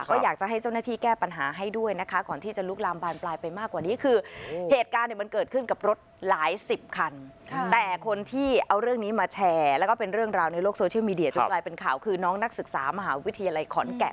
ก็อยากจะให้เจ้าหน้าที่แก้ปัญหาให้ด้วยนะคะก่อนที่จะลุกลามบานปลายไปมากกว่านี้คือเหตุการณ์เนี่ยมันเกิดขึ้นกับรถหลายสิบคันแต่คนที่เอาเรื่องนี้มาแชร์แล้วก็เป็นเรื่องราวในโลกโซเชียลมีเดียจนกลายเป็นข่าวคือน้องนักศึกษามหาวิทยาลัยขอนแก่น